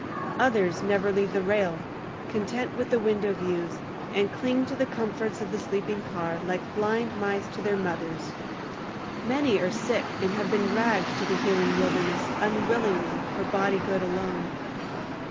Others never leave the rail, content with the window views, and cling to the comforts of the sleeping car like blind mice to their mothers. Many are sick and have been dragged to the healing wilderness unwillingly for body good alone.